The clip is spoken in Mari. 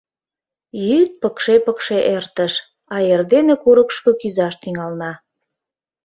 Йӱд пыкше-пыкше эртыш, а эрдене курыкышко кӱзаш тӱҥална.